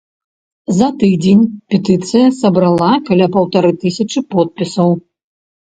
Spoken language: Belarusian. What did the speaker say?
За тыдзень петыцыя сабрала каля паўтары тысячы подпісаў.